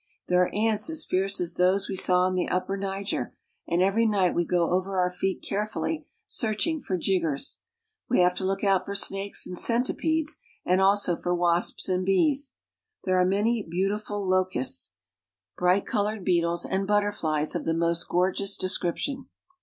There are ants as fierce as , ie we saw on the upper Niger, and every night we go jlver our feet carefully, searching for jiggers. We have p look out for snakes and centipeds, and also for wasps I Bd bees. There are many beautiful locusts, bright 233 ^H bats. 1 ntain ' 234 AFRICA V » colored beetles, and butterflies of the most gorgeous de scription.